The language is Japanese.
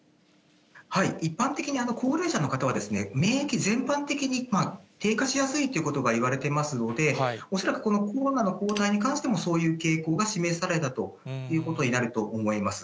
一般的に高齢者の方は、免疫全般的に低下しやすいということがいわれていますので、恐らくこのコロナの抗体に関しても、そういう傾向が示されたということになると思います。